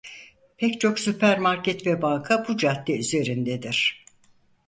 Pek çok süpermarket ve banka bu cadde üzerindedir.